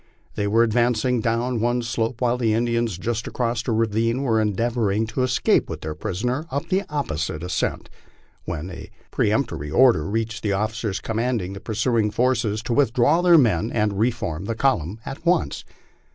They were advancing down one slope while the Indians just across a ravine were endeavoring to escape with their prisoner up the opposite ascent, when a peremptory order reached the officers commanding the pursuing force to withdraw their men and reform the column at once.